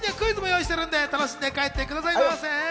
クイズも用意しているので楽しんで帰ってください。